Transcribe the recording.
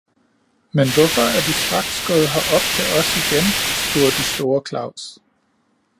"Men hvorfor er du straks gået herop til os igen," spurgte store Claus.